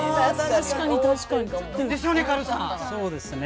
確かに確かに。ですよね？